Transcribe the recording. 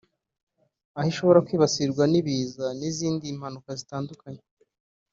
aho ishobora kwibasirwa n’ibiza n’izindi mpanuka zitandukanye